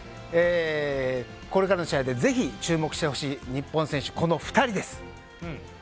これからの試合でぜひ注目してほしい日本選手この２人です。